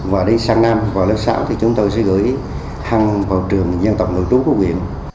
và đi sang nam vào lớp sáu thì chúng tôi sẽ gửi hân vào trường dân tộc nội trú của quyện